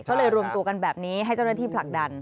ก็เลยรวมตัวกันแบบนี้ให้เจ้าหน้าที่ผลักดัน